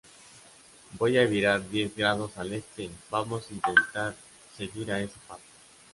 voy a virar diez grados al Este. vamos a intentar seguir a ese pato.